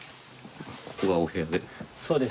ここがお部屋で？